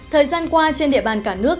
thời gian qua trên địa bàn cả nước